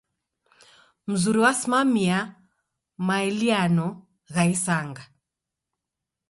Mzuri wasimamia maeliano gha isanga.